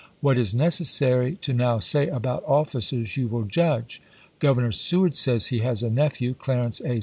What is necessary to now say about officers you wiQ judge. Governor Seward says he has a nephew (Clarence A.